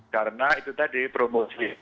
karena itu tadi promosi